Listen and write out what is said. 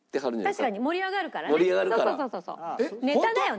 確かに盛り上がるからね。